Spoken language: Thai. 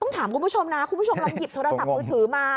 ถามคุณผู้ชมนะคุณผู้ชมลองหยิบโทรศัพท์มือถือมา